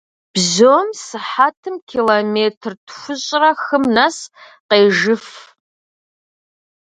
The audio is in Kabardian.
Бжьом сыхьэтым километр тхущӏрэ хым нэс къежыф.